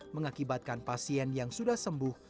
mengakibatkan pasien yang sudah sembuh